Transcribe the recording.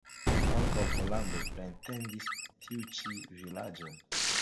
Ankaŭ Pollando pretendis tiu ĉi vilaĝon.